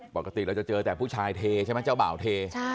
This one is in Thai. ปกติเราจะเจอแต่ผู้ชายเทใช่ไหมเจ้าบ่าวเท